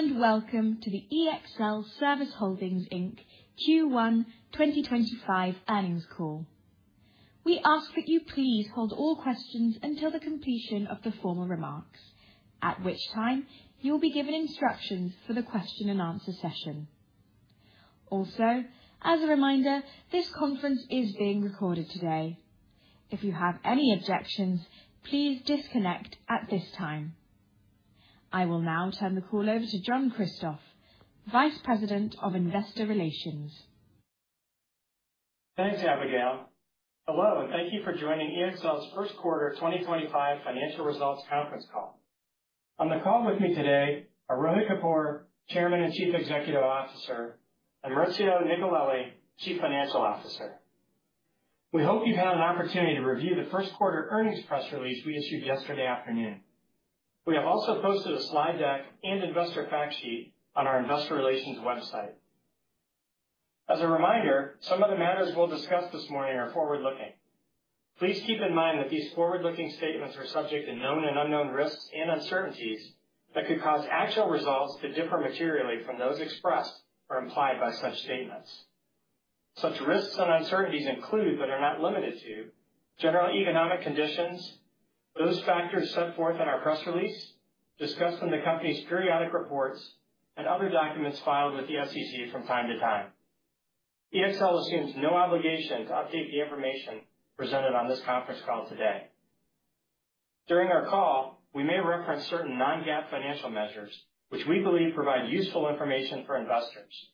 Hello, and Welcome to the ExlService Holdings Inc Q1 2025 Earnings Call. We ask that you please hold all questions until the completion of the formal remarks, at which time you will be given instructions for the question-and-answer session. Also, as a reminder, this conference is being recorded today. If you have any objections, please disconnect at this time. I will now turn the call over to John Kristoff, Vice President of Investor Relations. Thanks, Abigail. Hello, and thank you for joining EXL's First Quarter 2025 Financial Results Conference Call. On the call with me today are Rohit Kapoor, Chairman and Chief Executive Officer, and Maurizio Nicolelli, Chief Financial Officer. We hope you've had an opportunity to review the first quarter earnings press release we issued yesterday afternoon. We have also posted a slide deck and investor fact sheet on our investor relations website. As a reminder, some of the matters we'll discuss this morning are forward-looking. Please keep in mind that these forward-looking statements are subject to known and unknown risks and uncertainties that could cause actual results to differ materially from those expressed or implied by such statements. Such risks and uncertainties include, but are not limited to, general economic conditions, those factors set forth in our press release, discussed in the company's periodic reports, and other documents filed with the SEC from time to time. EXL assumes no obligation to update the information presented on this conference call today. During our call, we may reference certain non-GAAP financial measures, which we believe provide useful information for investors.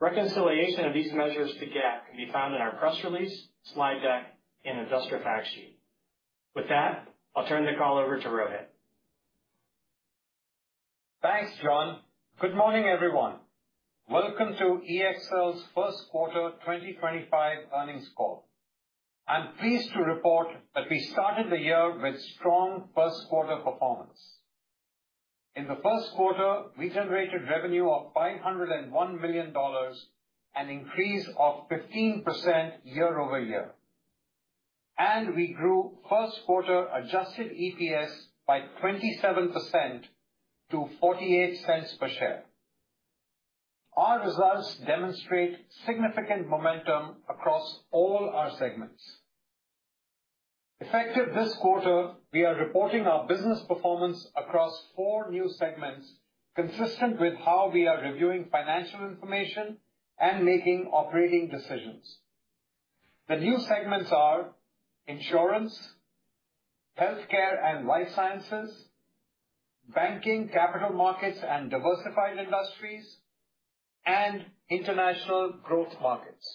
Reconciliation of these measures to GAAP can be found in our press release, slide deck, and investor fact sheet. With that, I'll turn the call over to Rohit. Thanks, John. Good morning, everyone. Welcome to EXL's First Quarter 2025 Earnings Call. I'm pleased to report that we started the year with strong first quarter performance. In the first quarter, we generated revenue of $501 million and an increase of 15% year-over-year. We grew first quarter adjusted EPS by 27% to $0.48 per share. Our results demonstrate significant momentum across all our segments. Effective this quarter, we are reporting our business performance across four new segments consistent with how we are reviewing financial information and making operating decisions. The new segments are insurance, healthcare and life sciences, banking, capital markets and diversified industries, and international growth markets.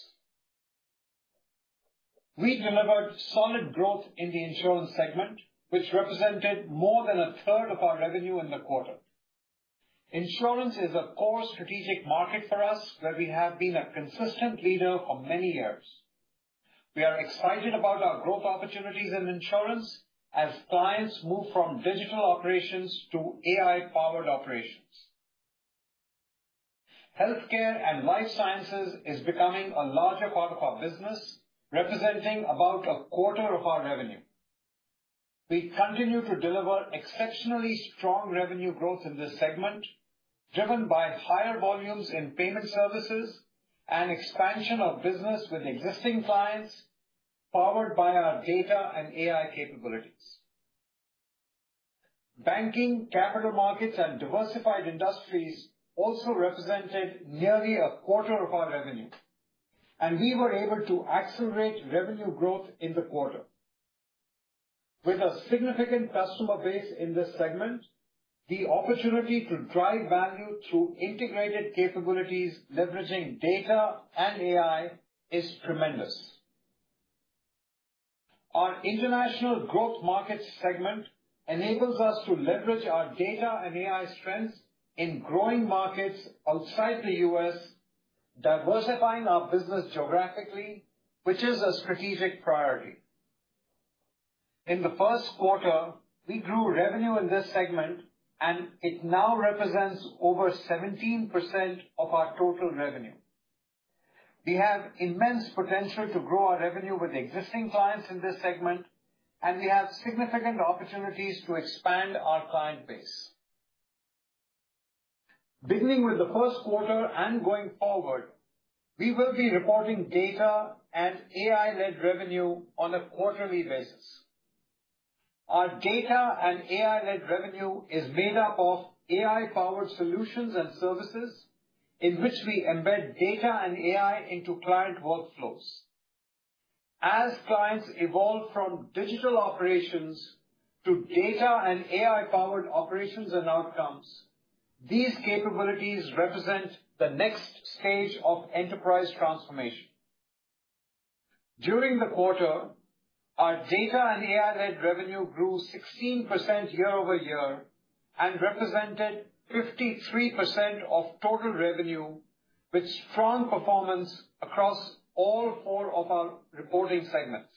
We delivered solid growth in the insurance segment, which represented more than a third of our revenue in the quarter. Insurance is a core strategic market for us, where we have been a consistent leader for many years. We are excited about our growth opportunities in insurance as clients move from digital operations to AI-powered operations. Healthcare and life sciences is becoming a larger part of our business, representing about a quarter of our revenue. We continue to deliver exceptionally strong revenue growth in this segment, driven by higher volumes in payment services and expansion of business with existing clients, powered by our data and AI capabilities. Banking, capital markets, and diversified industries also represented nearly a quarter of our revenue, and we were able to accelerate revenue growth in the quarter. With a significant customer base in this segment, the opportunity to drive value through integrated capabilities leveraging data and AI is tremendous. Our international growth markets segment enables us to leverage our data and AI strengths in growing markets outside the U.S., diversifying our business geographically, which is a strategic priority. In the first quarter, we grew revenue in this segment, and it now represents over 17% of our total revenue. We have immense potential to grow our revenue with existing clients in this segment, and we have significant opportunities to expand our client base. Beginning with the first quarter and going forward, we will be reporting data and AI-led revenue on a quarterly basis. Our data and AI-led revenue is made up of AI-powered solutions and services in which we embed data and AI into client workflows. As clients evolve from digital operations to data and AI-powered operations and outcomes, these capabilities represent the next stage of enterprise transformation. During the quarter, our data and AI-led revenue grew 16% year-over-year and represented 53% of total revenue, with strong performance across all four of our reporting segments.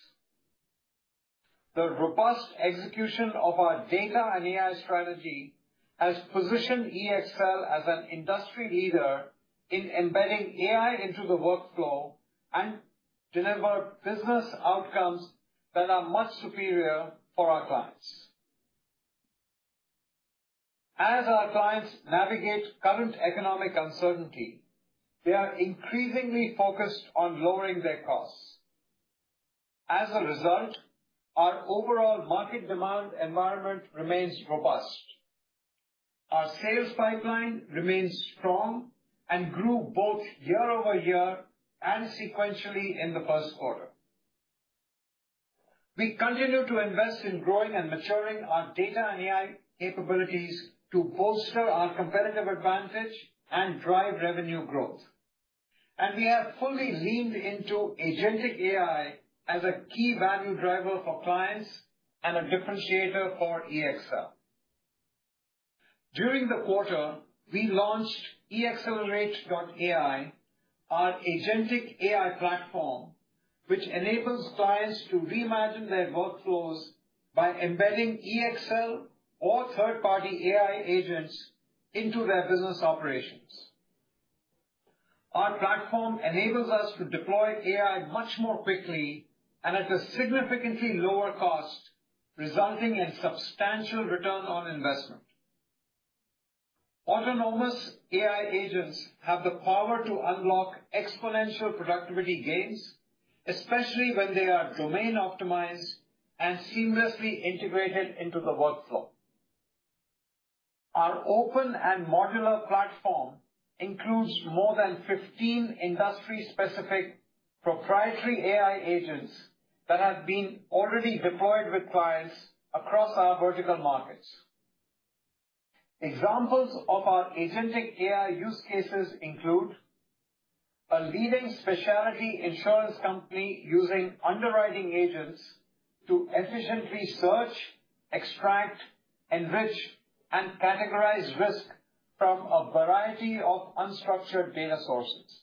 The robust execution of our data and AI strategy has positioned EXL as an industry leader in embedding AI into the workflow and delivering business outcomes that are much superior for our clients. As our clients navigate current economic uncertainty, they are increasingly focused on lowering their costs. As a result, our overall market demand environment remains robust. Our sales pipeline remains strong and grew both year-over-year and sequentially in the first quarter. We continue to invest in growing and maturing our data and AI capabilities to bolster our competitive advantage and drive revenue growth. We have fully leaned into agentic AI as a key value driver for clients and a differentiator for EXL. During the quarter, we launched eXcelerate.ai, our agentic AI platform, which enables clients to reimagine their workflows by embedding EXL or third-party AI agents into their business operations. Our platform enables us to deploy AI much more quickly and at a significantly lower cost, resulting in substantial return on investment. Autonomous AI agents have the power to unlock exponential productivity gains, especially when they are domain-optimized and seamlessly integrated into the workflow. Our open and modular platform includes more than 15 industry-specific proprietary AI agents that have been already deployed with clients across our vertical markets. Examples of our agentic AI use cases include a leading specialty insurance company using underwriting agents to efficiently search, extract, enrich, and categorize risk from a variety of unstructured data sources.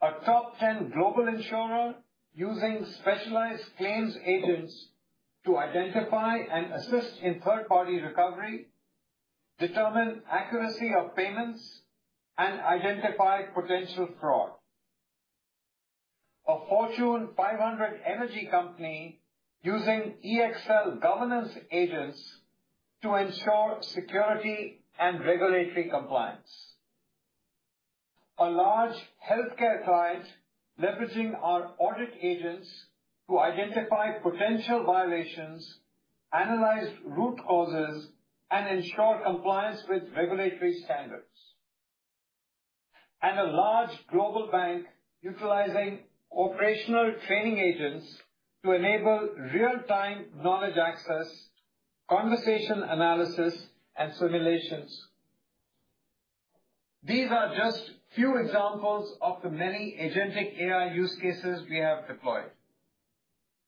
A top-tier global insurer is using specialized claims agents to identify and assist in third-party recovery, determine accuracy of payments, and identify potential fraud. A Fortune 500 energy company is using EXL governance agents to ensure security and regulatory compliance. A large healthcare client is leveraging our audit agents to identify potential violations, analyze root causes, and ensure compliance with regulatory standards. A large global bank is utilizing operational training agents to enable real-time knowledge access, conversation analysis, and simulations. These are just a few examples of the many agentic AI use cases we have deployed.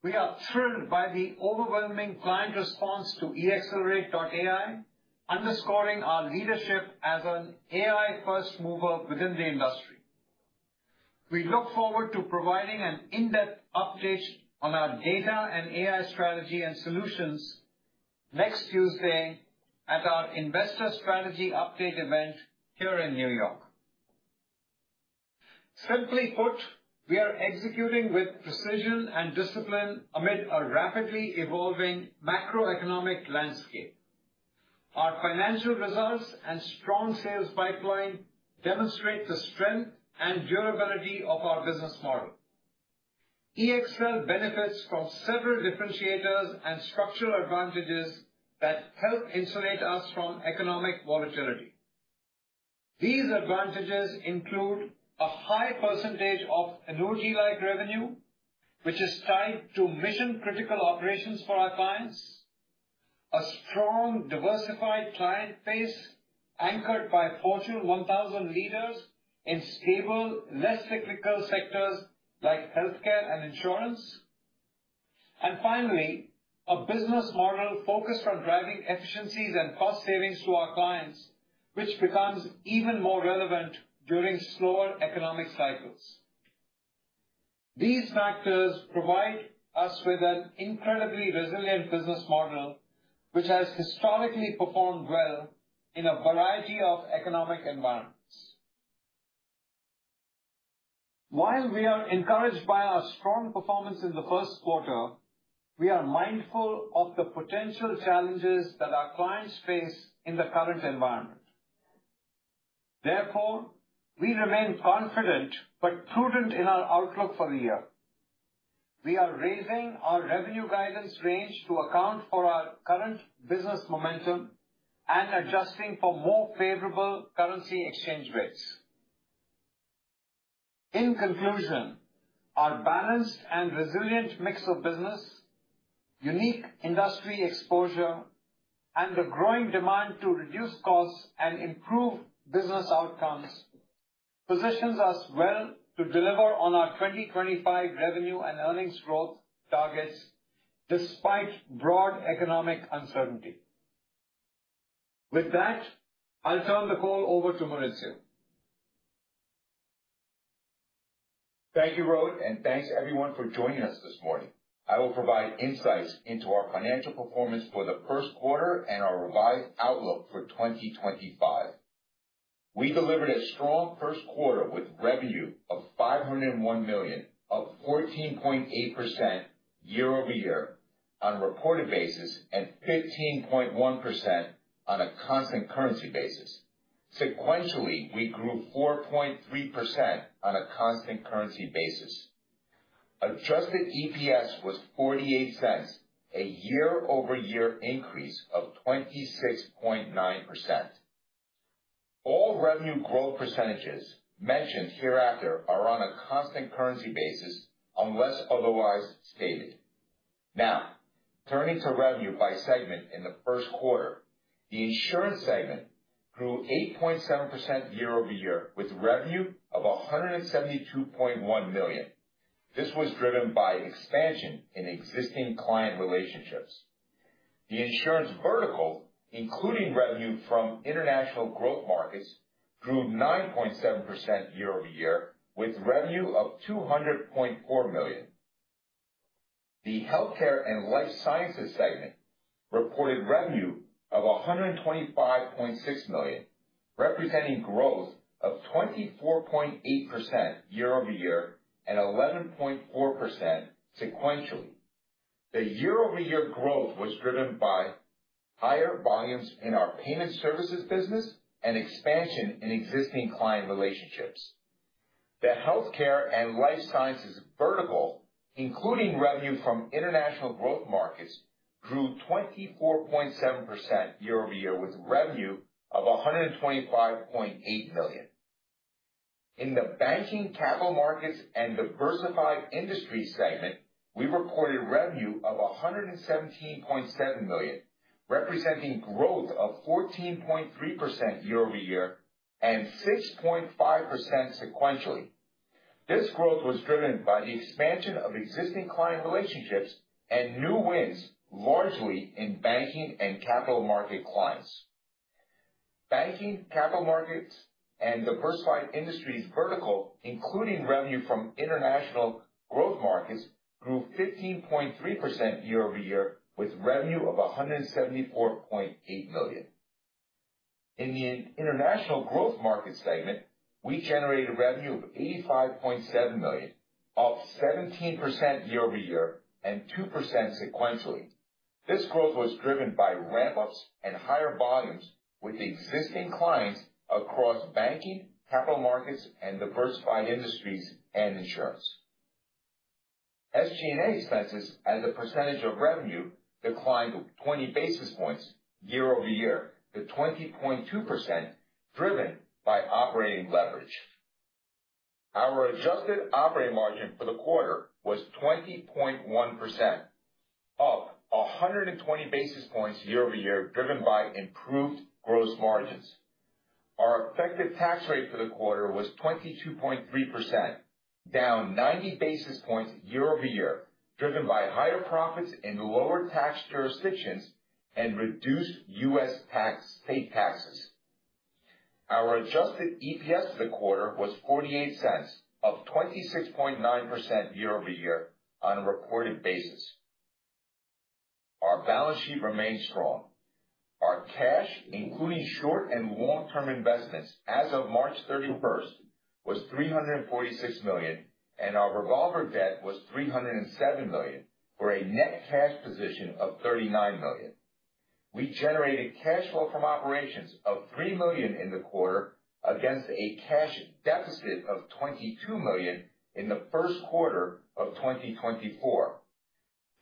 We are thrilled by the overwhelming client response to eXcelerate.ai, underscoring our leadership as an AI-first mover within the industry. We look forward to providing an in-depth update on our data and AI strategy and solutions next Tuesday at our Investor Strategy Update event here in New York. Simply put, we are executing with precision and discipline amid a rapidly evolving macroeconomic landscape. Our financial results and strong sales pipeline demonstrate the strength and durability of our business model. EXL benefits from several differentiators and structural advantages that help insulate us from economic volatility. These advantages include a high percentage of annuity-based revenue, which is tied to mission-critical operations for our clients, a strong, diversified client base anchored by Fortune 1000 leaders in stable, less cyclical sectors like healthcare and insurance, and finally, a business model focused on driving efficiencies and cost savings to our clients, which becomes even more relevant during slower economic cycles. These factors provide us with an incredibly resilient business model, which has historically performed well in a variety of economic environments. While we are encouraged by our strong performance in the first quarter, we are mindful of the potential challenges that our clients face in the current environment. Therefore, we remain confident but prudent in our outlook for the year. We are raising our revenue guidance range to account for our current business momentum and adjusting for more favorable currency exchange rates. In conclusion, our balanced and resilient mix of business, unique industry exposure, and the growing demand to reduce costs and improve business outcomes positions us well to deliver on our 2025 revenue and earnings growth targets despite broad economic uncertainty. With that, I'll turn the call over to Maurizio. Thank you, Rohit, and thanks everyone for joining us this morning. I will provide insights into our financial performance for the first quarter and our revised outlook for 2025. We delivered a strong first quarter with revenue of $501 million, up 14.8% year-over-year on a reported basis and 15.1% on a constant currency basis. Sequentially, we grew 4.3% on a constant currency basis. Adjusted EPS was $0.48, a year-over-year increase of 26.9%. All revenue growth percentages mentioned hereafter are on a constant currency basis unless otherwise stated. Now, turning to revenue by segment in the first quarter, the insurance segment grew 8.7% year-over-year with revenue of $172.1 million. This was driven by expansion in existing client relationships. The insurance vertical, including revenue from international growth markets, grew 9.7% year-over-year with revenue of $200.4 million. The healthcare and life sciences segment reported revenue of $125.6 million, representing growth of 24.8% year-over-year and 11.4% sequentially. The year-over-year growth was driven by higher volumes in our payment services business and expansion in existing client relationships. The healthcare and life sciences vertical, including revenue from international growth markets, grew 24.7% year-over-year with revenue of $125.8 million. In the banking, capital markets, and diversified industries segment, we recorded revenue of $117.7 million, representing growth of 14.3% year-over-year and 6.5% sequentially. This growth was driven by the expansion of existing client relationships and new wins, largely in banking and capital market clients. Banking, capital markets, and diversified industries vertical, including revenue from international growth markets, grew 15.3% year-over-year with revenue of $174.8 million. In the international growth markets segment, we generated revenue of $85.7 million, up 17% year-over-year and 2% sequentially. This growth was driven by ramp-ups and higher volumes with existing clients across banking, capital markets, and diversified industries and insurance. SG&A expenses, as a percentage of revenue, declined 20 basis points year-over-year to 20.2%, driven by operating leverage. Our adjusted operating margin for the quarter was 20.1%, up 120 basis points year-over-year, driven by improved gross margins. Our effective tax rate for the quarter was 22.3%, down 90 basis points year-over-year, driven by higher profits in lower tax jurisdictions and reduced U.S. state taxes. Our adjusted EPS for the quarter was $0.48, up 26.9% year-over-year on a reported basis. Our balance sheet remained strong. Our cash, including short and long-term investments, as of March 31st, was $346 million, and our revolver debt was $307 million for a net cash position of $39 million. We generated cash flow from operations of $3 million in the quarter against a cash deficit of $22 million in the first quarter of 2024.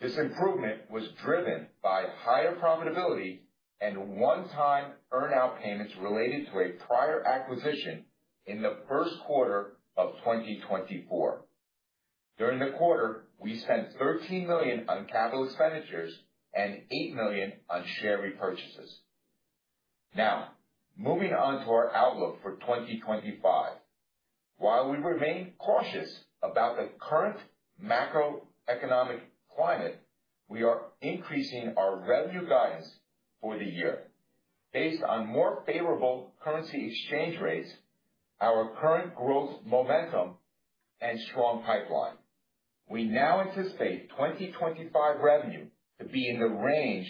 This improvement was driven by higher profitability and one-time earn-out payments related to a prior acquisition in the first quarter of 2024. During the quarter, we spent $13 million on capital expenditures and $8 million on share repurchases. Now, moving on to our outlook for 2025. While we remain cautious about the current macroeconomic climate, we are increasing our revenue guidance for the year. Based on more favorable currency exchange rates, our current growth momentum, and strong pipeline, we now anticipate 2025 revenue to be in the range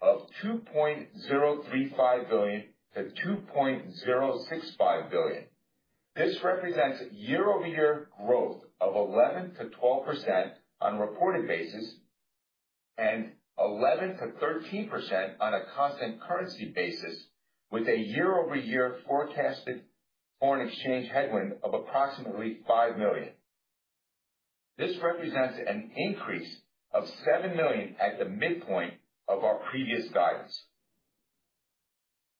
of $2.035 billion-$2.065 billion. This represents year-over-year growth of 11% to 12% on a reported basis and 11% to 13% on a constant currency basis, with a year-over-year forecasted foreign exchange headwind of approximately $5 million. This represents an increase of $7 million at the midpoint of our previous guidance.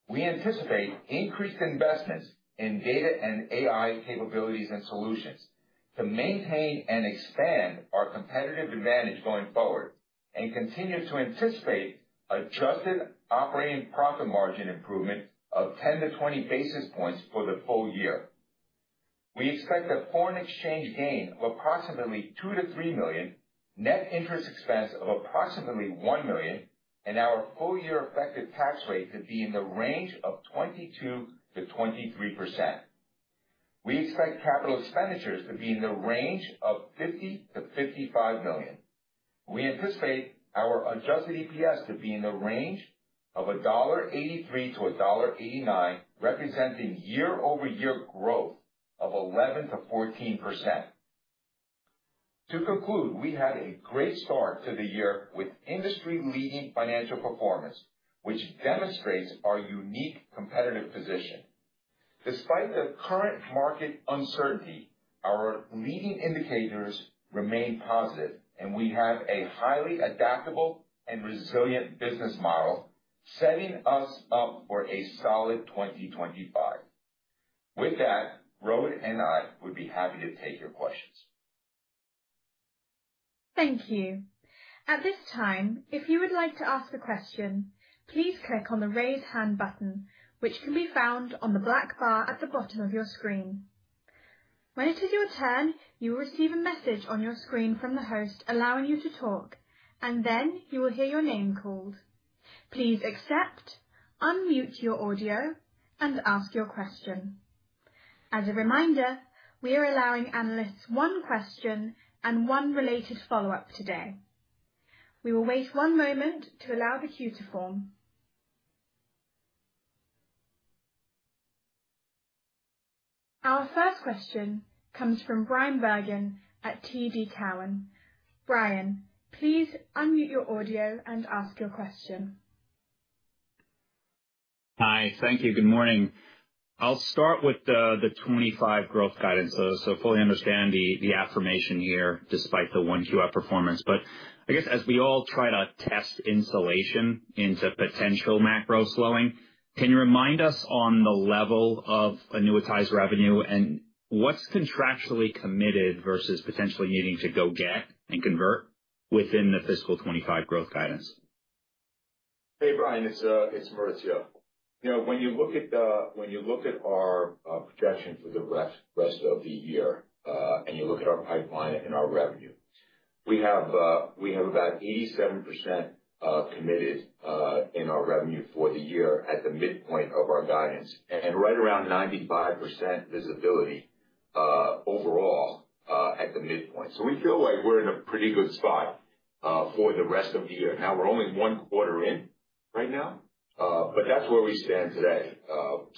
We anticipate increased investments in data and AI capabilities and solutions to maintain and expand our competitive advantage going forward and continue to anticipate adjusted operating profit margin improvement of 10 to 20 basis points for the full year. We expect a foreign exchange gain of approximately $2-$3 million, net interest expense of approximately $1 million, and our full-year effective tax rate to be in the range of 22%-23%. We expect capital expenditures to be in the range of $50-$55 million. We anticipate our adjusted EPS to be in the range of $1.83-$1.89, representing year-over-year growth of 11%-14%. To conclude, we had a great start to the year with industry-leading financial performance, which demonstrates our unique competitive position. Despite the current market uncertainty, our leading indicators remain positive, and we have a highly adaptable and resilient business model, setting us up for a solid 2025. With that, Rohit and I would be happy to take your questions. Thank you. At this time, if you would like to ask a question, please click on the raise hand button, which can be found on the black bar at the bottom of your screen. When it is your turn, you will receive a message on your screen from the host allowing you to talk, and then you will hear your name called. Please accept, unmute your audio, and ask your question. As a reminder, we are allowing analysts one question and one related follow-up today. We will wait one moment to allow the queue to form. Our first question comes from Bryan Bergin at TD Cowen. Bryan, please unmute your audio and ask your question. Hi. Thank you. Good morning. I'll start with the 2025 growth guidance. I fully understand the affirmation here despite the 1Q outperformance. I guess as we all try to test insulation into potential macro slowing, can you remind us on the level of annuitized revenue and what's contractually committed versus potentially needing to go get and convert within the fiscal 2025 growth guidance? Hey, Bryan. It's Maurizio. When you look at our projection for the rest of the year and you look at our pipeline and our revenue, we have about 87% committed in our revenue for the year at the midpoint of our guidance and right around 95% visibility overall at the midpoint. We feel like we're in a pretty good spot for the rest of the year. Now, we're only one quarter in right now, but that's where we stand today.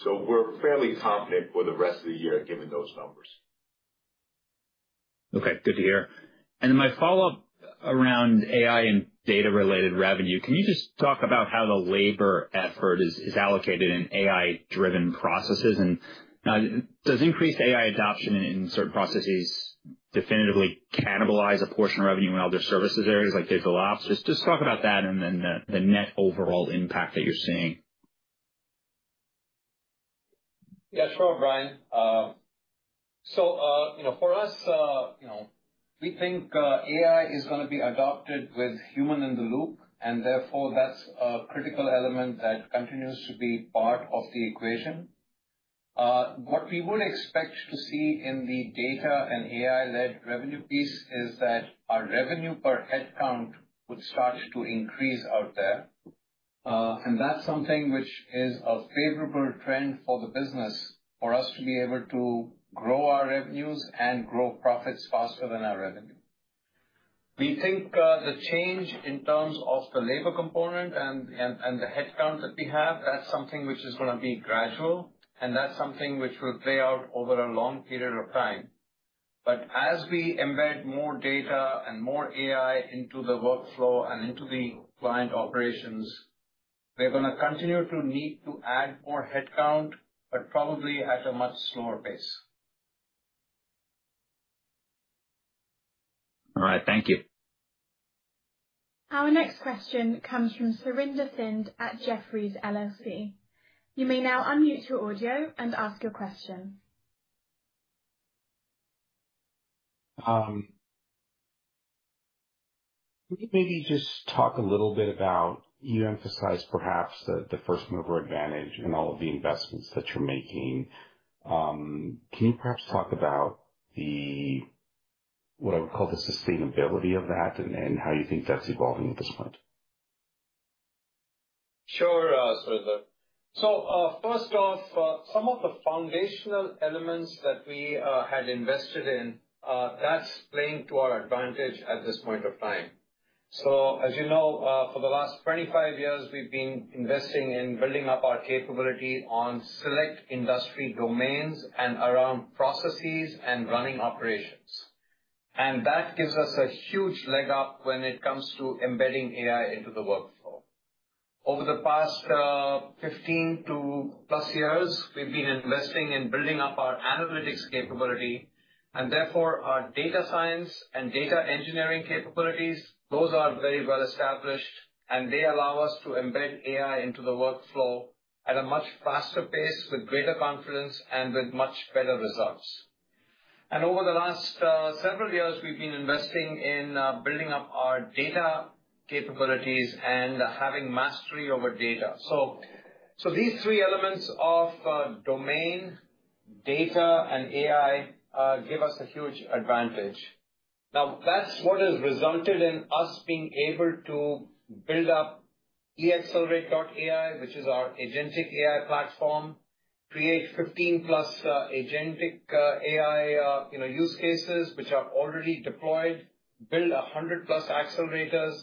We're fairly confident for the rest of the year given those numbers. Okay. Good to hear. My follow-up around AI and data-related revenue. Can you just talk about how the labor effort is allocated in AI-driven processes? Does increased AI adoption in certain processes definitively cannibalize a portion of revenue in other services areas like digital ops? Just talk about that and the net overall impact that you're seeing. Yeah. Sure, Bryan. For us, we think AI is going to be adopted with human in the loop, and therefore that's a critical element that continues to be part of the equation. What we would expect to see in the data and AI-led revenue piece is that our revenue per headcount would start to increase out there. That's something which is a favorable trend for the business for us to be able to grow our revenues and grow profits faster than our revenue. We think the change in terms of the labor component and the headcount that we have, that's something which is going to be gradual, and that's something which will play out over a long period of time. As we embed more data and more AI into the workflow and into the client operations, we're going to continue to need to add more headcount, but probably at a much slower pace. All right. Thank you. Our next question comes from Surinder Thind at Jefferies LLC. You may now unmute your audio and ask your question. Can you maybe just talk a little bit about you emphasized perhaps the first-mover advantage in all of the investments that you're making. Can you perhaps talk about what I would call the sustainability of that and how you think that's evolving at this point? Sure, Surinder. First off, some of the foundational elements that we had invested in, that's playing to our advantage at this point of time. As you know, for the last 25 years, we've been investing in building up our capability on select industry domains and around processes and running operations. That gives us a huge leg up when it comes to embedding AI into the workflow. Over the past 15-plus years, we've been investing in building up our analytics capability. Therefore, our data science and data engineering capabilities, those are very well established, and they allow us to embed AI into the workflow at a much faster pace with greater confidence and with much better results. Over the last several years, we've been investing in building up our data capabilities and having mastery over data. These three elements of domain, data, and AI give us a huge advantage. Now, that's what has resulted in us being able to build up eXcelerate.ai, which is our agentic AI platform, create 15-plus agentic AI use cases which are already deployed, build 100-plus accelerators.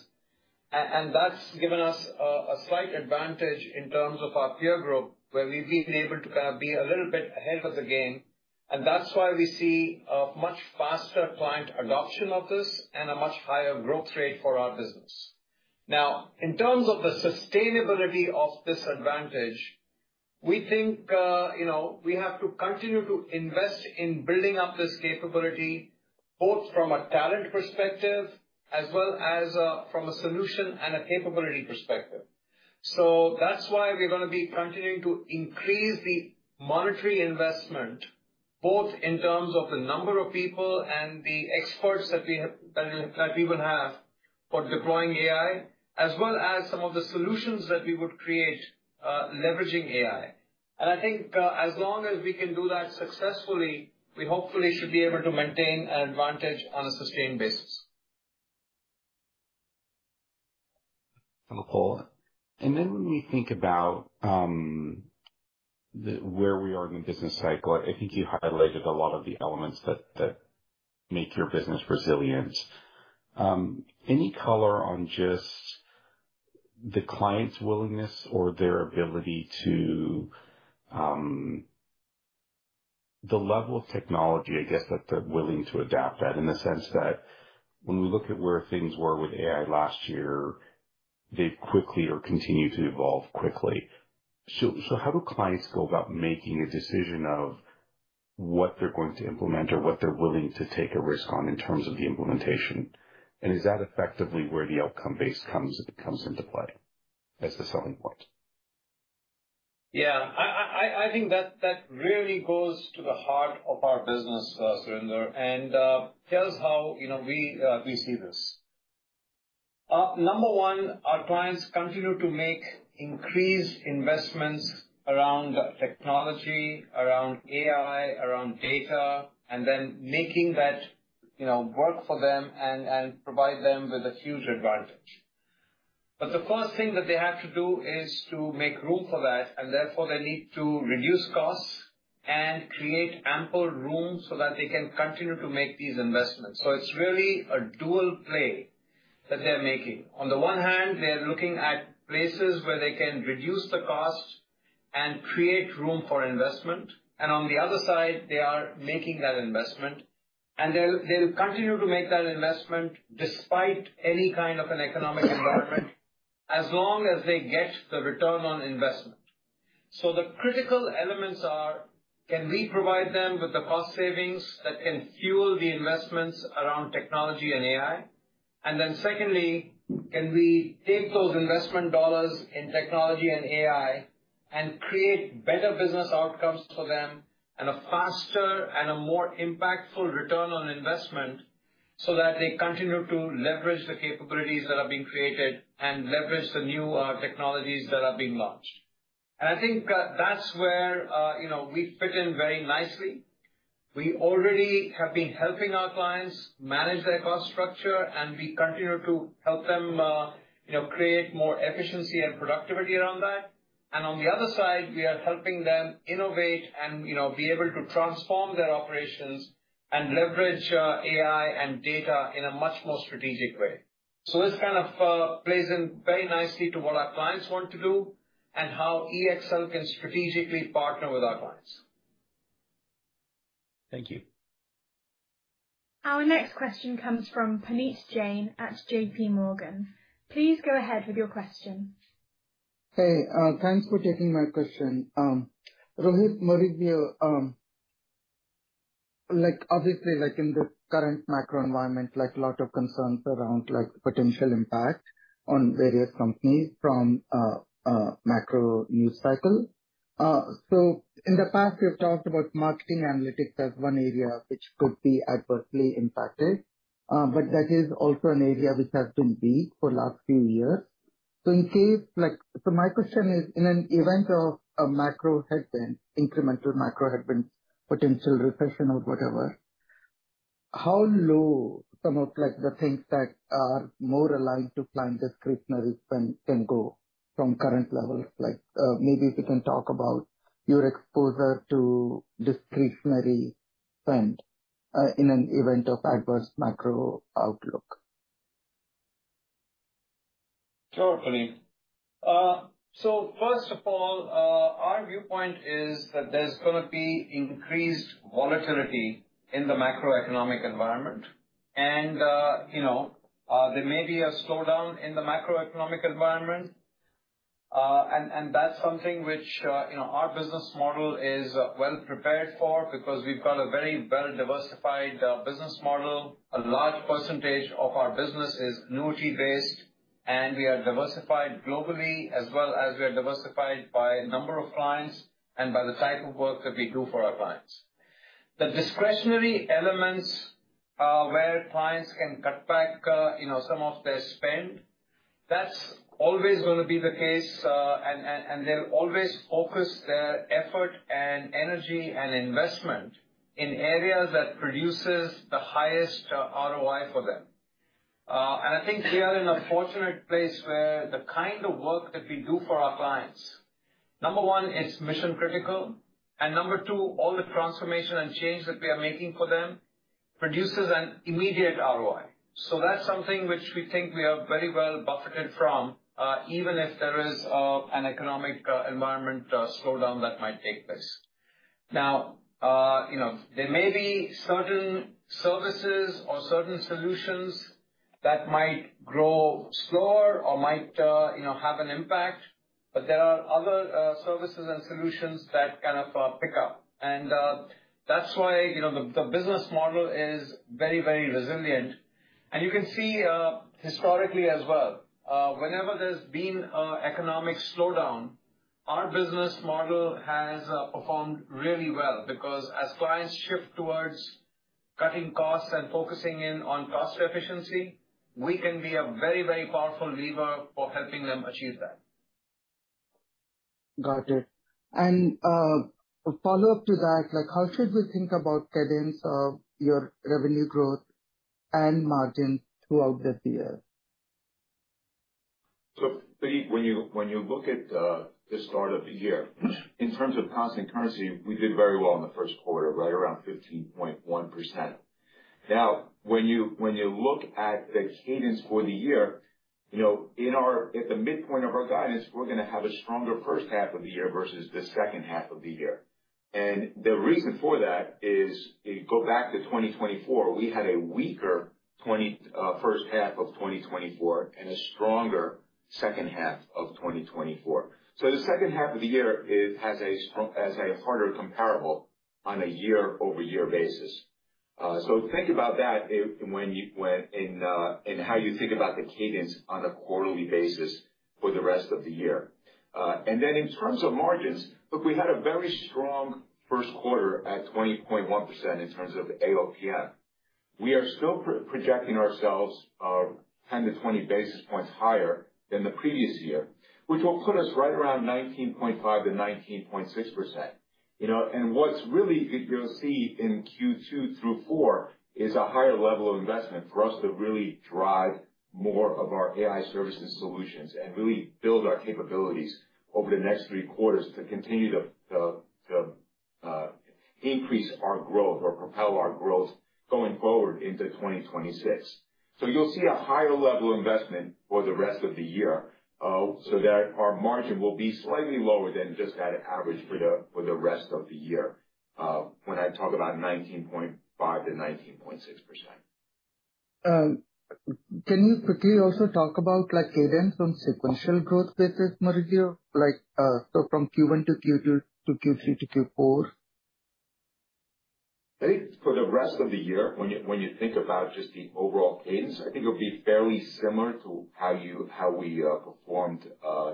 That's given us a slight advantage in terms of our peer group, where we've been able to kind of be a little bit ahead of the game. That's why we see a much faster client adoption of this and a much higher growth rate for our business. Now, in terms of the sustainability of this advantage, we think we have to continue to invest in building up this capability both from a talent perspective as well as from a solution and a capability perspective. That is why we're going to be continuing to increase the monetary investment, both in terms of the number of people and the experts that we will have for deploying AI, as well as some of the solutions that we would create leveraging AI. I think as long as we can do that successfully, we hopefully should be able to maintain an advantage on a sustained basis. For my follow-up. When we think about where we are in the business cycle, I think you highlighted a lot of the elements that make your business resilient. Any color on just the client's willingness or their ability to the level of technology, I guess, that they're willing to adapt at in the sense that when we look at where things were with AI last year, they've quickly or continued to evolve quickly. How do clients go about making a decision of what they're going to implement or what they're willing to take a risk on in terms of the implementation? Is that effectively where the outcome base comes into play as the selling point? Yeah. I think that really goes to the heart of our business, Surinder, and tells how we see this. Number one, our clients continue to make increased investments around technology, around AI, around data, and then making that work for them and provide them with a huge advantage. The first thing that they have to do is to make room for that, and therefore they need to reduce costs and create ample room so that they can continue to make these investments. It is really a dual play that they're making. On the one hand, they're looking at places where they can reduce the cost and create room for investment. On the other side, they are making that investment, and they'll continue to make that investment despite any kind of an economic environment as long as they get the return on investment. The critical elements are: can we provide them with the cost savings that can fuel the investments around technology and AI? Secondly, can we take those investment dollars in technology and AI and create better business outcomes for them and a faster and a more impactful return on investment so that they continue to leverage the capabilities that are being created and leverage the new technologies that are being launched? I think that's where we fit in very nicely. We already have been helping our clients manage their cost structure, and we continue to help them create more efficiency and productivity around that. On the other side, we are helping them innovate and be able to transform their operations and leverage AI and data in a much more strategic way. This kind of plays in very nicely to what our clients want to do and how eXcelerate.ai can strategically partner with our clients. Thank you. Our next question comes from Puneet Jain at JPMorgan. Please go ahead with your question. Hey, thanks for taking my question. Rohit, Maurizio, obviously, in the current macro environment, a lot of concerns around potential impact on various companies from a macro news cycle. In the past, we've talked about marketing analytics as one area which could be adversely impacted, but that is also an area which has been weak for the last few years. In case, my question is, in an event of a macro headwind, incremental macro headwinds, potential recession or whatever, how low some of the things that are more aligned to client discretionary spend can go from current levels? Maybe we can talk about your exposure to discretionary spend in an event of adverse macro outlook. Sure, Puneet. First of all, our viewpoint is that there's going to be increased volatility in the macroeconomic environment. There may be a slowdown in the macroeconomic environment. That's something which our business model is well prepared for because we've got a very well-diversified business model. A large percentage of our business is annuity-based, and we are diversified globally as well as we are diversified by the number of clients and by the type of work that we do for our clients. The discretionary elements where clients can cut back some of their spend, that's always going to be the case, and they'll always focus their effort and energy and investment in areas that produce the highest ROI for them. I think we are in a fortunate place where the kind of work that we do for our clients, number one, it's mission-critical. Number two, all the transformation and change that we are making for them produces an immediate ROI. That is something which we think we are very well buffeted from, even if there is an economic environment slowdown that might take place. There may be certain services or certain solutions that might grow slower or might have an impact, but there are other services and solutions that kind of pick up. That is why the business model is very, very resilient. You can see historically as well, whenever there has been an economic slowdown, our business model has performed really well because as clients shift towards cutting costs and focusing in on cost efficiency, we can be a very, very powerful lever for helping them achieve that. Got it. A follow-up to that, how should we think about cadence of your revenue growth and margin throughout the year? Puneet, when you look at the start of the year, in terms of cost and currency, we did very well in the first quarter, right around 15.1%. Now, when you look at the cadence for the year, at the midpoint of our guidance, we're going to have a stronger first half of the year versus the second half of the year. The reason for that is, go back to 2024, we had a weaker first half of 2024 and a stronger second half of 2024. The second half of the year has a harder comparable on a year-over-year basis. Think about that in how you think about the cadence on a quarterly basis for the rest of the year. In terms of margins, look, we had a very strong first quarter at 20.1% in terms of AOPM. We are still projecting ourselves 10-20 basis points higher than the previous year, which will put us right around 19.5-19.6%. What's really good you'll see in Q2 through Q4 is a higher level of investment for us to really drive more of our AI services solutions and really build our capabilities over the next three quarters to continue to increase our growth or propel our growth going forward into 2026. You'll see a higher level of investment for the rest of the year. Our margin will be slightly lower than just that average for the rest of the year when I talk about 19.5-19.6%. Can you quickly also talk about cadence on sequential growth basis, Maurizio, so from Q1 to Q2 to Q3 to Q4? I think for the rest of the year, when you think about just the overall cadence, I think it'll be fairly similar to how we performed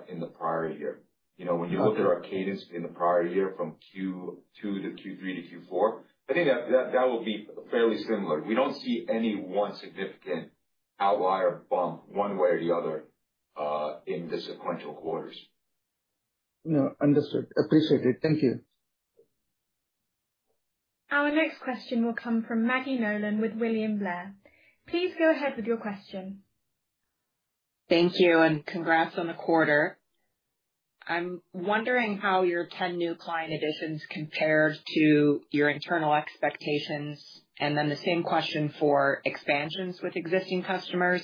in the prior year. When you look at our cadence in the prior year from Q2 to Q3 to Q4, I think that will be fairly similar. We don't see any one significant outlier bump one way or the other in the sequential quarters. No, understood. Appreciate it. Thank you. Our next question will come from Maggie Nolan with William Blair. Please go ahead with your question. Thank you. Congrats on the quarter. I'm wondering how your 10 new client additions compared to your internal expectations. The same question for expansions with existing customers.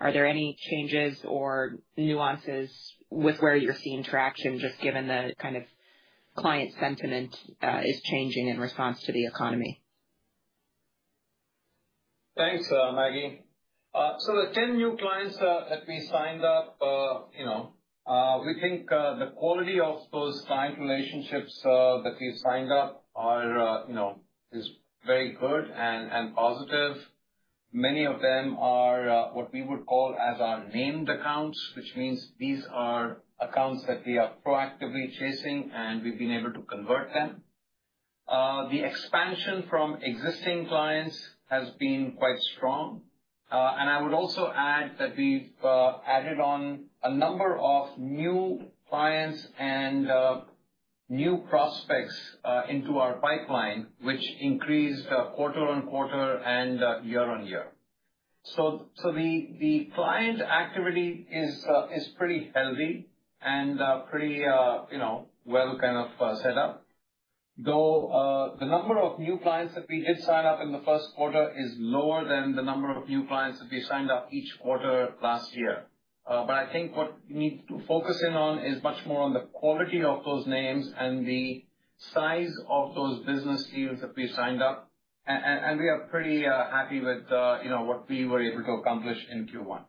Are there any changes or nuances with where you're seeing traction just given the kind of client sentiment is changing in response to the economy? Thanks, Maggie. The 10 new clients that we signed up, we think the quality of those client relationships that we've signed up is very good and positive. Many of them are what we would call as our named accounts, which means these are accounts that we are proactively chasing, and we've been able to convert them. The expansion from existing clients has been quite strong. I would also add that we've added on a number of new clients and new prospects into our pipeline, which increased quarter on quarter and year-on-year. The client activity is pretty healthy and pretty well kind of set up, though the number of new clients that we did sign up in the first quarter is lower than the number of new clients that we signed up each quarter last year. I think what we need to focus in on is much more on the quality of those names and the size of those business deals that we signed up. We are pretty happy with what we were able to accomplish in Q1.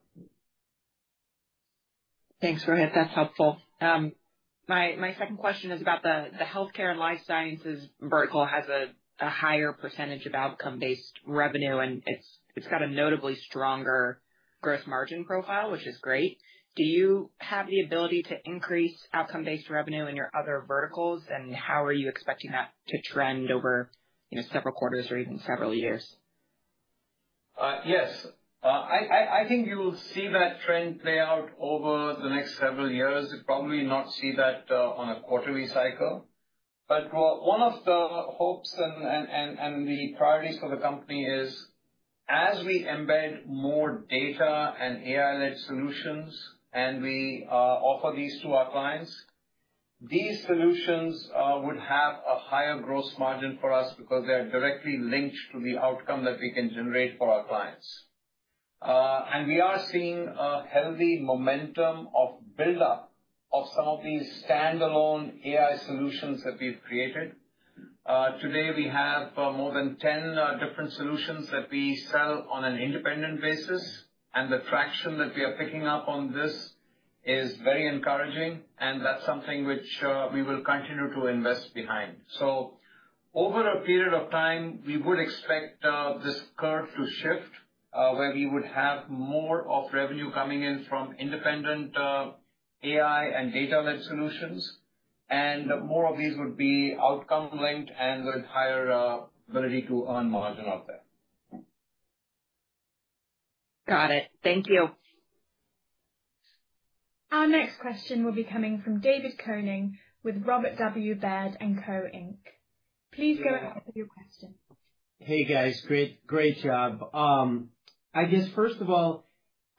Thanks, Rohit. That's helpful. My second question is about the healthcare and life sciences vertical has a higher percentage of outcome-based revenue, and it's got a notably stronger gross margin profile, which is great. Do you have the ability to increase outcome-based revenue in your other verticals, and how are you expecting that to trend over several quarters or even several years? Yes. I think you will see that trend play out over the next several years. You'll probably not see that on a quarterly cycle. One of the hopes and the priorities for the company is, as we embed more data and AI-led solutions and we offer these to our clients, these solutions would have a higher gross margin for us because they are directly linked to the outcome that we can generate for our clients. We are seeing a healthy momentum of build-up of some of these standalone AI solutions that we've created. Today, we have more than 10 different solutions that we sell on an independent basis, and the traction that we are picking up on this is very encouraging, and that's something which we will continue to invest behind. Over a period of time, we would expect this curve to shift where we would have more of revenue coming in from independent AI and data-led solutions, and more of these would be outcome-linked and with higher ability to earn margin out there. Got it. Thank you. Our next question will be coming from David Koning with Robert W. Baird & Co Inc Please go ahead with your question. Hey, guys. Great job. I guess, first of all,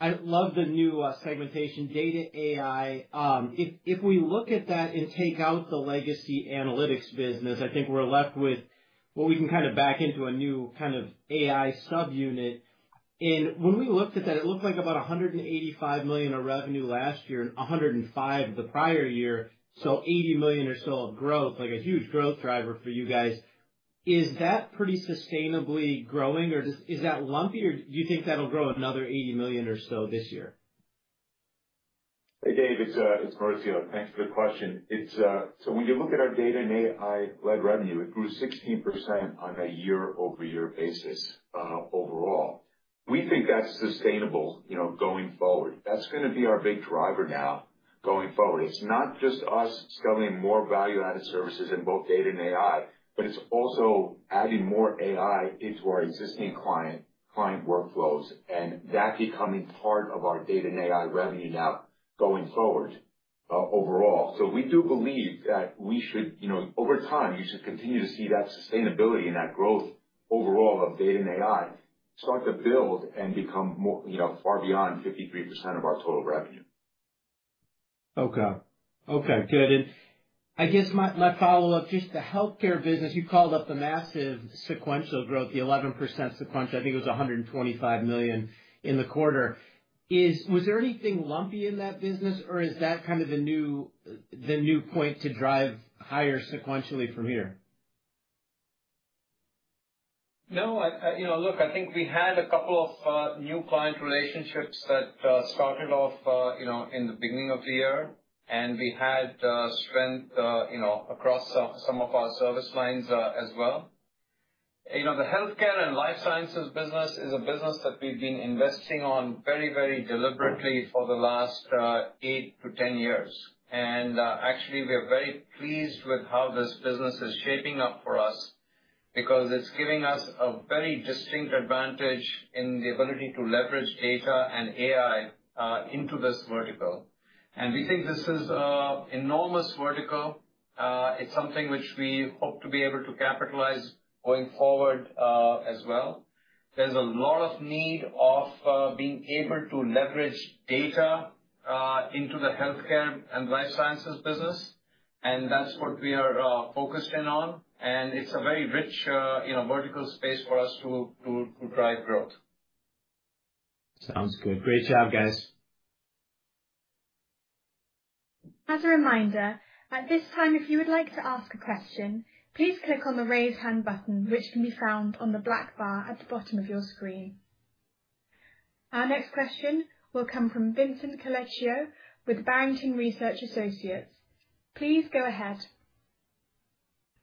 I love the new segmentation data AI. If we look at that and take out the legacy analytics business, I think we're left with what we can kind of back into a new kind of AI subunit. And when we looked at that, it looked like about $185 million of revenue last year and $105 million the prior year, so $80 million or so of growth, a huge growth driver for you guys. Is that pretty sustainably growing, or is that lumpy, or do you think that'll grow another $80 million or so this year? Hey, David. It's Maurizio. Thanks for the question. When you look at our data and AI-led revenue, it grew 16% on a year-over-year basis overall. We think that's sustainable going forward. That's going to be our big driver now going forward. It's not just us selling more value-added services in both data and AI, but it's also adding more AI into our existing client workflows and that becoming part of our data and AI revenue now going forward overall. We do believe that we should, over time, you should continue to see that sustainability and that growth overall of data and AI start to build and become far beyond 53% of our total revenue. Okay. Okay. Good. I guess my follow-up, just the healthcare business, you called out the massive sequential growth, the 11% sequential. I think it was $125 million in the quarter. Was there anything lumpy in that business, or is that kind of the new point to drive higher sequentially from here? No. Look, I think we had a couple of new client relationships that started off in the beginning of the year, and we had strength across some of our service lines as well. The healthcare and life sciences business is a business that we've been investing on very, very deliberately for the last 8-10 years. Actually, we are very pleased with how this business is shaping up for us because it's giving us a very distinct advantage in the ability to leverage data and AI into this vertical. We think this is an enormous vertical. It's something which we hope to be able to capitalize going forward as well. There's a lot of need of being able to leverage data into the healthcare and life sciences business, and that's what we are focused in on. It is a very rich vertical space for us to drive growth. Sounds good. Great job, guys. As a reminder, at this time, if you would like to ask a question, please click on the raise hand button, which can be found on the black bar at the bottom of your screen. Our next question will come from Vincent Colicchio with Barrington Research Associates. Please go ahead.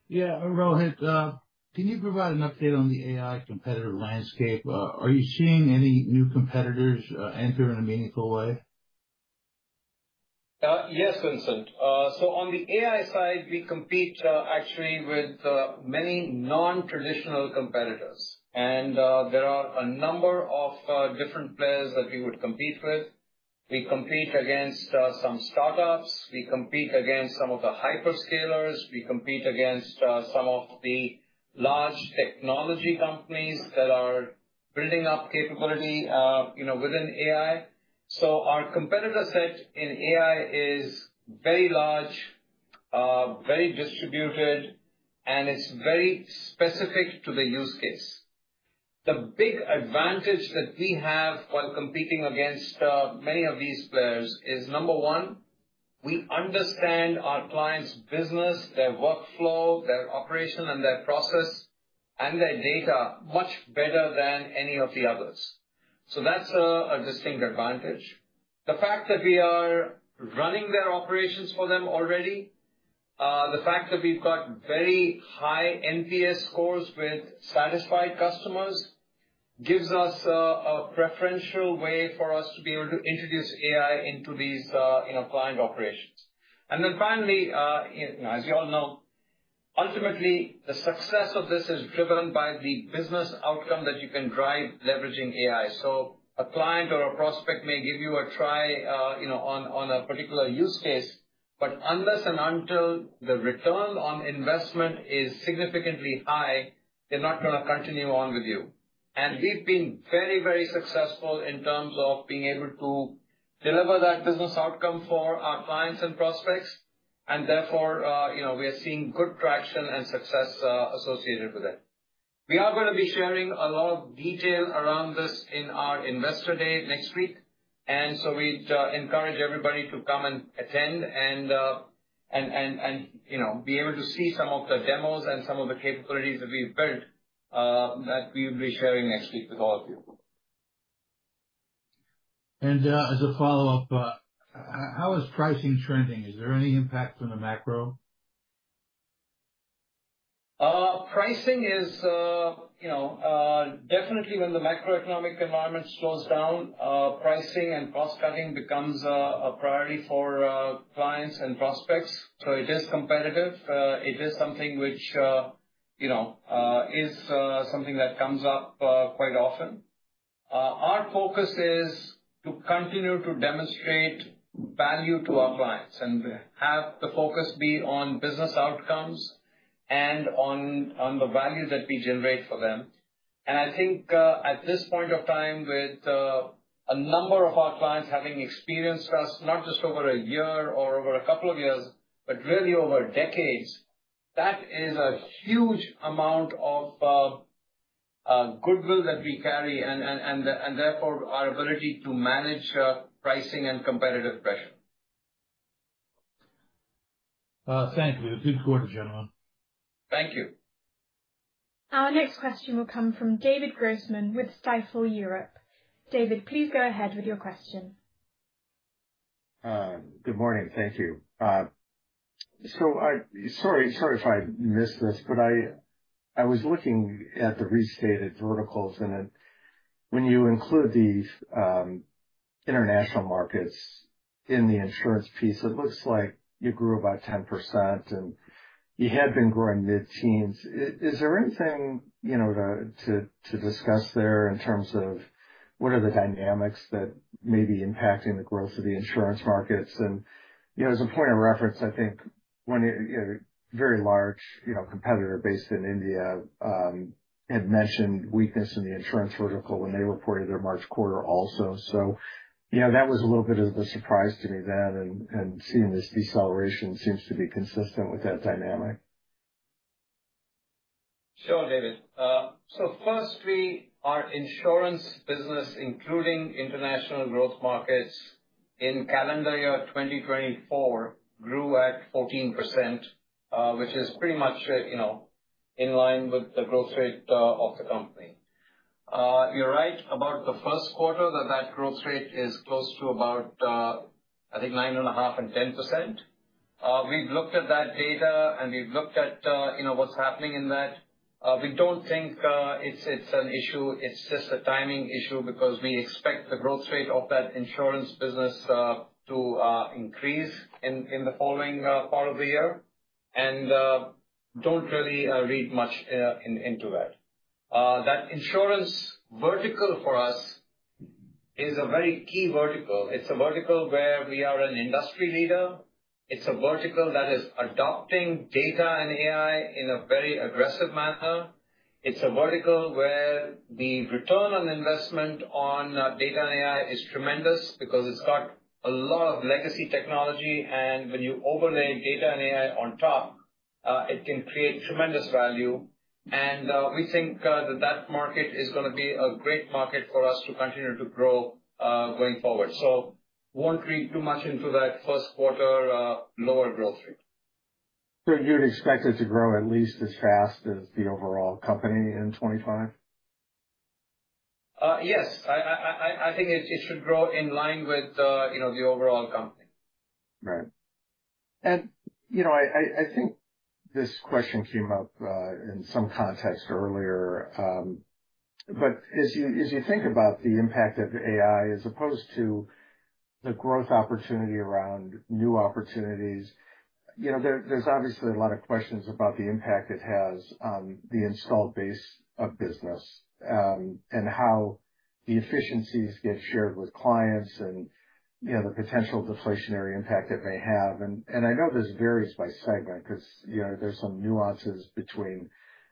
Yeah. Rohit, can you provide an update on the AI competitor landscape? Are you seeing any new competitors enter in a meaningful way? Yes, Vincent. On the AI side, we compete actually with many non-traditional competitors. There are a number of different players that we would compete with. We compete against some startups. We compete against some of the hyperscalers. We compete against some of the large technology companies that are building up capability within AI. Our competitor set in AI is very large, very distributed, and it's very specific to the use case. The big advantage that we have while competing against many of these players is, number one, we understand our clients' business, their workflow, their operation, and their process and their data much better than any of the others. That's a distinct advantage. The fact that we are running their operations for them already, the fact that we've got very high NPS scores with satisfied customers gives us a preferential way for us to be able to introduce AI into these client operations. Finally, as you all know, ultimately, the success of this is driven by the business outcome that you can drive leveraging AI. A client or a prospect may give you a try on a particular use case, but unless and until the return on investment is significantly high, they're not going to continue on with you. We've been very, very successful in terms of being able to deliver that business outcome for our clients and prospects. Therefore, we are seeing good traction and success associated with it. We are going to be sharing a lot of detail around this in our investor day next week. We'd encourage everybody to come and attend and be able to see some of the demos and some of the capabilities that we've built that we will be sharing next week with all of you. As a follow-up, how is pricing trending? Is there any impact on the macro? Pricing is definitely when the macroeconomic environment slows down, pricing and cost-cutting becomes a priority for clients and prospects. It is competitive. It is something which is something that comes up quite often. Our focus is to continue to demonstrate value to our clients and have the focus be on business outcomes and on the value that we generate for them. I think at this point of time, with a number of our clients having experienced us not just over a year or over a couple of years, but really over decades, that is a huge amount of goodwill that we carry and therefore our ability to manage pricing and competitive pressure. Thank you. Good quarter, gentlemen. Thank you. Our next question will come from David Grossman with Stifel Europe. David, please go ahead with your question. Good morning. Thank you. Sorry if I missed this, but I was looking at the restated verticals, and when you include these international markets in the insurance piece, it looks like you grew about 10%, and you had been growing mid-teens. Is there anything to discuss there in terms of what are the dynamics that may be impacting the growth of the insurance markets? As a point of reference, I think one very large competitor based in India had mentioned weakness in the insurance vertical when they reported their March quarter also. That was a little bit of a surprise to me then, and seeing this deceleration seems to be consistent with that dynamic. Sure, David. Firstly, our insurance business, including international growth markets in calendar year 2024, grew at 14%, which is pretty much in line with the growth rate of the company. You're right about the first quarter that that growth rate is close to about, I think, 9.5-10%. We've looked at that data, and we've looked at what's happening in that. We don't think it's an issue. It's just a timing issue because we expect the growth rate of that insurance business to increase in the following part of the year and don't really read much into that. That insurance vertical for us is a very key vertical. It's a vertical where we are an industry leader. It's a vertical that is adopting data and AI in a very aggressive manner. It's a vertical where the return on investment on data and AI is tremendous because it's got a lot of legacy technology. When you overlay data and AI on top, it can create tremendous value. We think that that market is going to be a great market for us to continue to grow going forward. I would not read too much into that first quarter lower growth rate. You'd expect it to grow at least as fast as the overall company in 2025? Yes. I think it should grow in line with the overall company. Right. I think this question came up in some context earlier. As you think about the impact of AI as opposed to the growth opportunity around new opportunities, there's obviously a lot of questions about the impact it has on the installed base of business and how the efficiencies get shared with clients and the potential deflationary impact it may have. I know this varies by segment because there's some nuances between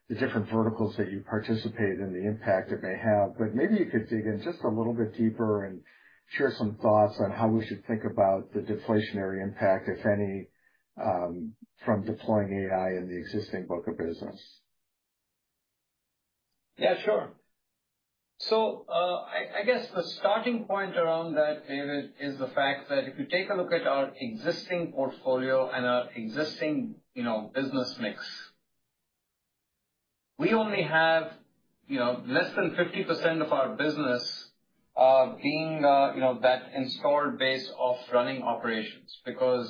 the different verticals that you participate in, the impact it may have. Maybe you could dig in just a little bit deeper and share some thoughts on how we should think about the deflationary impact, if any, from deploying AI in the existing book of business. Yeah, sure. I guess the starting point around that, David, is the fact that if you take a look at our existing portfolio and our existing business mix, we only have less than 50% of our business being that installed base of running operations because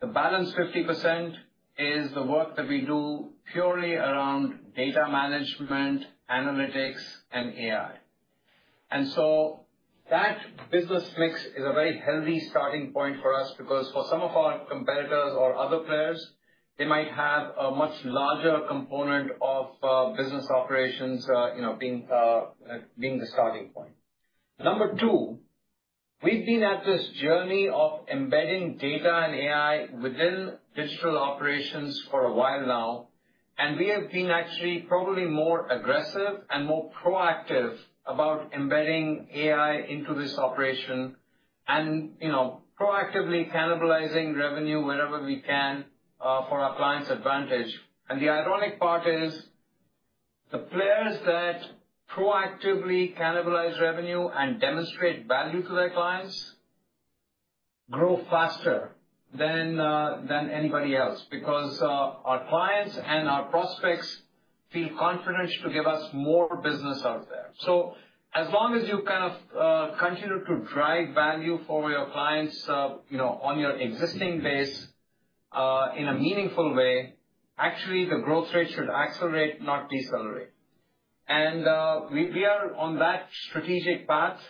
the balance 50% is the work that we do purely around data management, analytics, and AI. That business mix is a very healthy starting point for us because for some of our competitors or other players, they might have a much larger component of business operations being the starting point. Number two, we've been at this journey of embedding data and AI within digital operations for a while now, and we have been actually probably more aggressive and more proactive about embedding AI into this operation and proactively cannibalizing revenue wherever we can for our clients' advantage. The ironic part is the players that proactively cannibalize revenue and demonstrate value to their clients grow faster than anybody else because our clients and our prospects feel confident to give us more business out there. As long as you kind of continue to drive value for your clients on your existing base in a meaningful way, actually, the growth rate should accelerate, not decelerate. We are on that strategic path.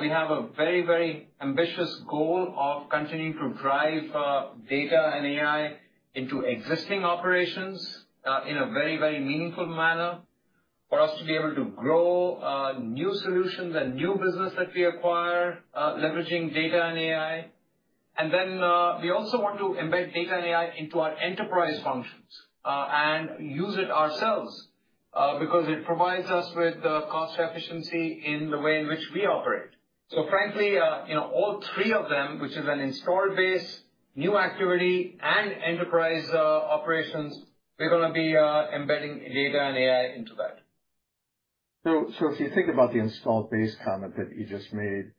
We have a very, very ambitious goal of continuing to drive data and AI into existing operations in a very, very meaningful manner for us to be able to grow new solutions and new business that we acquire leveraging data and AI. We also want to embed data and AI into our enterprise functions and use it ourselves because it provides us with cost efficiency in the way in which we operate. Frankly, all three of them, which is an installed base, new activity, and enterprise operations, we're going to be embedding data and AI into that. If you think about the installed base comment that you just made,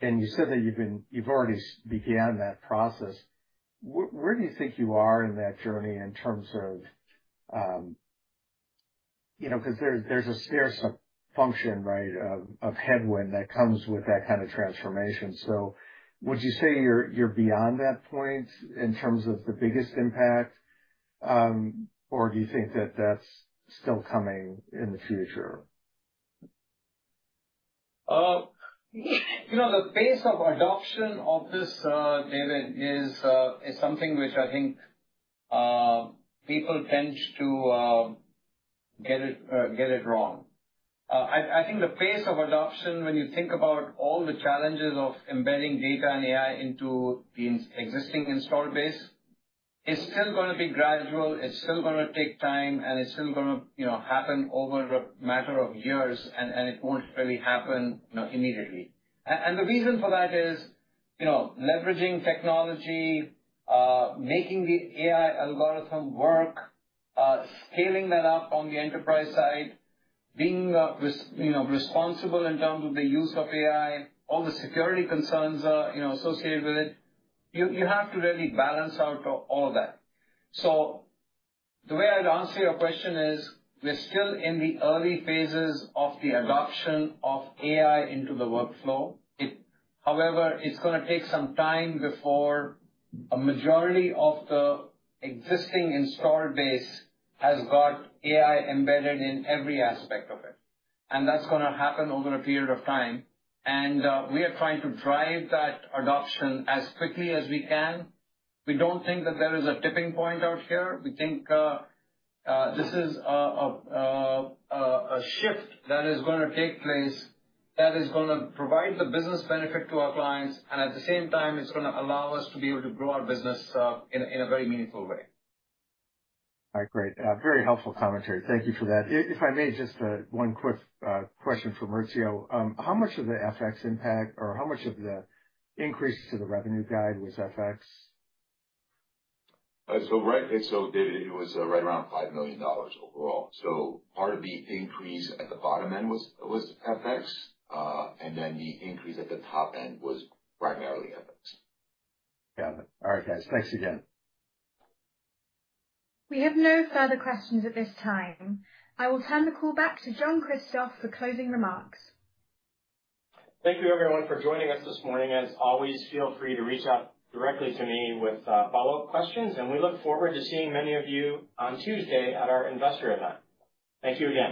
and you said that you've already begun that process, where do you think you are in that journey in terms of because there's a scarce function, right, of headwind that comes with that kind of transformation. Would you say you're beyond that point in terms of the biggest impact, or do you think that that's still coming in the future? The pace of adoption of this, David, is something which I think people tend to get it wrong. I think the pace of adoption, when you think about all the challenges of embedding data and AI into the existing installed base, is still going to be gradual. It's still going to take time, it's still going to happen over a matter of years, and it won't really happen immediately. The reason for that is leveraging technology, making the AI algorithm work, scaling that up on the enterprise side, being responsible in terms of the use of AI, all the security concerns associated with it. You have to really balance out all of that. The way I'd answer your question is we're still in the early phases of the adoption of AI into the workflow. However, it's going to take some time before a majority of the existing installed base has got AI embedded in every aspect of it. That's going to happen over a period of time. We are trying to drive that adoption as quickly as we can. We don't think that there is a tipping point out here. We think this is a shift that is going to take place that is going to provide the business benefit to our clients. At the same time, it's going to allow us to be able to grow our business in a very meaningful way. All right. Great. Very helpful commentary. Thank you for that. If I may, just one quick question for Maurizio. How much of the FX impact or how much of the increase to the revenue guide was FX? Right, David, it was right around $5 million overall. Part of the increase at the bottom end was FX, and then the increase at the top end was primarily FX. Got it. All right, guys. Thanks again. We have no further questions at this time. I will turn the call back to John Kristoff for closing remarks. Thank you, everyone, for joining us this morning. As always, feel free to reach out directly to me with follow-up questions, and we look forward to seeing many of you on Tuesday at our investor event. Thank you again.